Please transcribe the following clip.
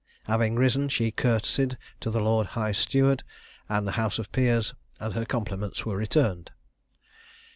Having risen, she courtesied to the lord high steward and the house of peers, and her compliments were returned.